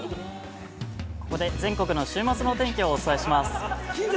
◆ここで全国の週末のお天気をお伝えします。